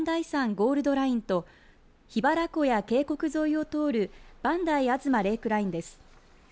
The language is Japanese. ゴールドラインと檜原湖や渓谷沿いを通る磐梯吾妻レークラインです。